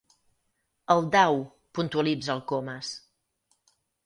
El Dau —puntualitza el Comas.